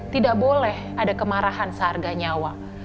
tidak boleh ada kemarahan seharga nyawa